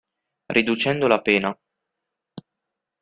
Riducendo la pena.